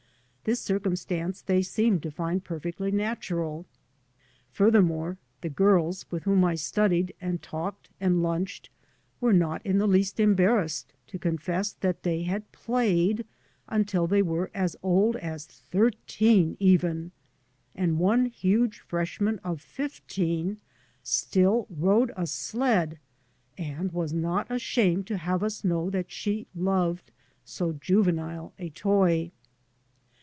This circumstance they seemed to find per fectly natural. Furthermore, the girls with whom I studied and talked and lunched were not in the least embarrassed to confess that they bad played until they were as old as thirteen even, and one huge freshman of fifteen still rode a sled and was not ashamed to have us know that she loved so juvenile a toy.